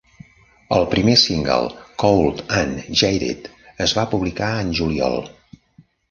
El primer single, "Cold and Jaded", es va publicar en juliol.